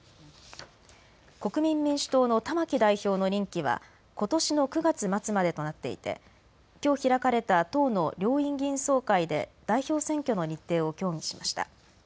国民民主党の玉木代表の任期はことしの９月末までとなっていてきょう開かれた党の両院議員総会で代表選挙の日程を協議しました。